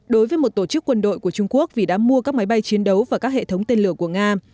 đối với một tổ chức quân đội của trung quốc vì đã mua các máy bay chiến đấu và các hệ thống tên lửa của nga